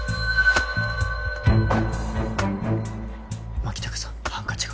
牧高さんハンカチが。